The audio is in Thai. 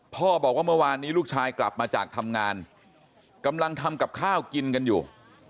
บอกว่าเมื่อวานนี้ลูกชายกลับมาจากทำงานกำลังทำกับข้าวกินกันอยู่